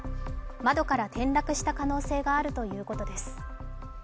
窓から転落した可能性があるということです。